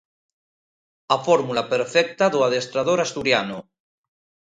A fórmula perfecta do adestrador asturiano.